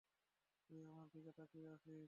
তুই আমার দিকে তাকিয়ে আছিস?